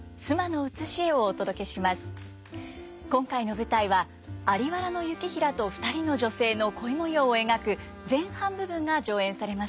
今回の舞台は在原行平と２人の女性の恋模様を描く前半部分が上演されました。